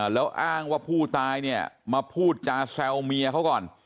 แล้วอ้างว่าผู้ตายเนี่ยมาพูดจาแซวเมียเขาก่อน